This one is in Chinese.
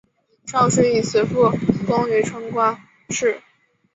少时以辞赋贡于春官氏。